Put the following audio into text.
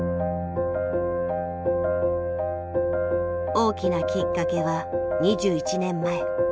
大きなきっかけは２１年前。